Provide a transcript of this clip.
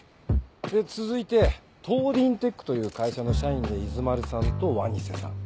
で続いてトーディインテックという会社の社員で伊豆丸さんと鰐瀬さん。